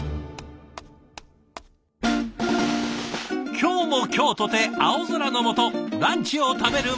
今日も今日とて青空の下ランチを食べる者あり。